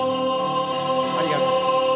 ありがとう。